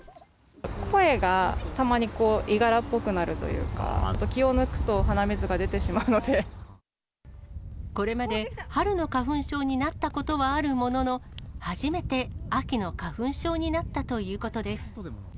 声がたまにこういがらっぽくになるというか、気を抜くと、これまで春の花粉症になったことはあるものの、初めて秋の花粉症になったということです。